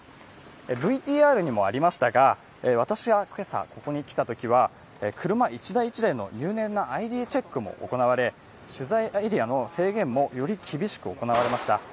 ＶＴＲにもありましたが、私が今朝、ここに来たときには車１台１台の入念なＩＤチェックも行われ、取材エリアの制限もより厳しく行われました。